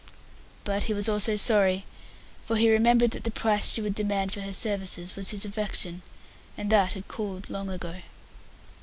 But he was also sorry, for he remembered that the price she would demand for her services was his affection, and that had cooled long ago.